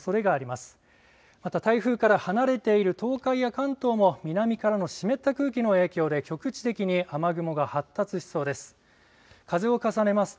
また台風から離れている東海や関東も南からの湿った空気の影響で局地的に雨雲が発達しそうです。